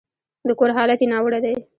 د کور حالت يې ناوړه دی.